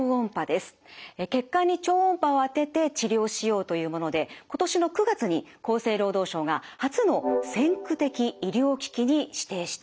血管に超音波を当てて治療しようというもので今年の９月に厚生労働省が初の先駆的医療機器に指定したんです。